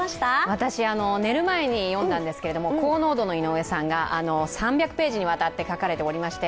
私、寝る前に呼んだんですけど高濃度の井上さんが３００ページぐらい書かれていて